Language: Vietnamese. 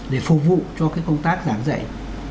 để phục vụ cho cái công tác giảng dạy